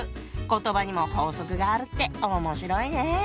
言葉にも法則があるって面白いね。